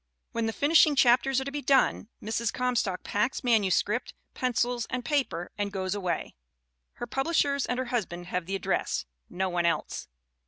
When the finishing chap ters are to be done Mrs. Comstock packs manuscript, pencils and paper and goes away. Her publishers and her husband have the address no one else.